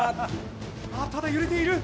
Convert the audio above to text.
ただ、揺れている！